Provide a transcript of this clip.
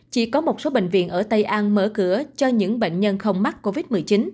chỉ có một số bệnh viện ở tây an mở cửa cho những bệnh nhân không mắc covid một mươi chín